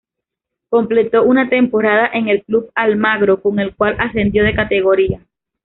Completó una temporada en el Club Almagro con el cual ascendió de categoría.